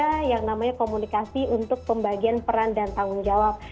ada yang namanya komunikasi untuk pembagian peran dan tanggung jawab